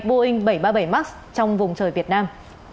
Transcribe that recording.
boeing bảy trăm ba mươi bảy max trong vùng trời việt nam